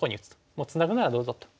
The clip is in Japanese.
もうツナぐならどうぞと。